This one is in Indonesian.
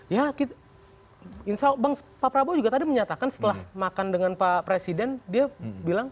ya insya allah pak prabowo juga tadi menyatakan setelah makan dengan pak presiden dia bilang